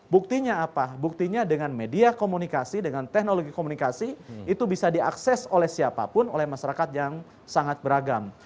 buktinya apa buktinya dengan media komunikasi dengan teknologi komunikasi itu bisa diakses oleh siapapun oleh masyarakat yang sangat beragam